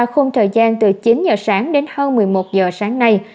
khung thời gian từ chín giờ sáng đến hơn một mươi một giờ sáng nay